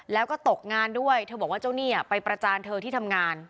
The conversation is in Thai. แล้วก็ตกงานด้วยเธอบอกว่าเจ้าหนี้ไปประจานเธอที่ทำงาน